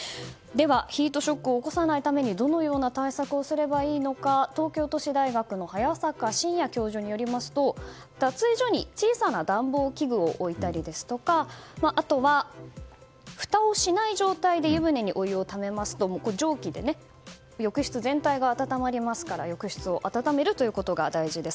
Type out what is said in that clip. ヒートショックを起こさないためにどのような対策をすればいいのか東京都市大学の早坂信哉教授によりますと脱衣場に小さな暖房器具を置いたりあとは、ふたをしない状態で湯船にお湯をためますと蒸気で浴室全体が暖まりますから浴室を暖めるということが大事です。